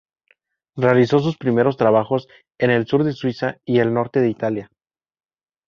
Realizó sus primeros trabajos en el sur de Suiza y el norte de Italia.